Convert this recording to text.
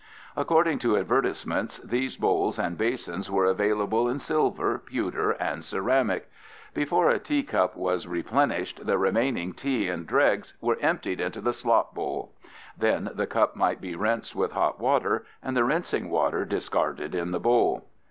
According to advertisements these bowls and basins were available in silver, pewter, and ceramic. Before a teacup was replenished, the remaining tea and dregs were emptied into the slop bowl. Then the cup might be rinsed with hot water and the rinsing water discarded in the bowl.